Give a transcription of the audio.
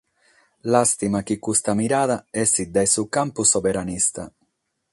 Làstima chi custa mirada essit dae su campu soberanista.